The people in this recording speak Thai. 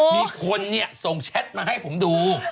มีคนส่งแชทมาให้ผมดู